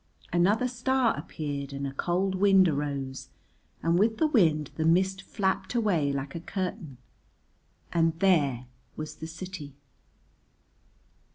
Another star appeared and a cold wind arose, and with the wind the mist flapped away like a curtain. And there was the city.